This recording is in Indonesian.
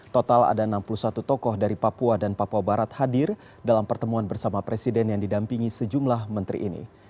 total ada enam puluh satu tokoh dari papua dan papua barat hadir dalam pertemuan bersama presiden yang didampingi sejumlah menteri ini